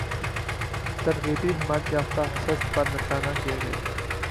ترغیبی حمایتیافتہ حصص پر نشانہ کیے گئے